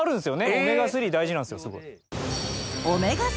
オメガ３大事なんですよ。